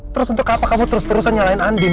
terus untuk apa kamu terus terusan nyalain andin